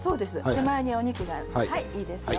手前にお肉がいいですよ。